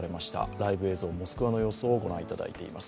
ライブ映像でモスクワの様子をご覧いただいています。